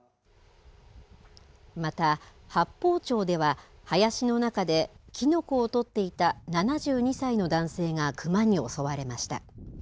また八峰町では、林の中でキノコを採っていた７２歳の男性が熊に襲われました。